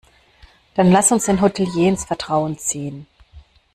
Dann lass uns den Hotelier ins Vertrauen ziehen.